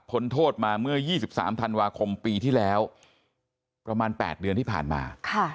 โทษมาเมื่อ๒๓ธันวาคมปีที่แล้วประมาณ๘เดือนที่ผ่านมา